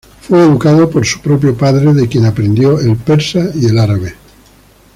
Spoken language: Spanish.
Fue educado por su propio padre de quien aprendió el persa y el árabe.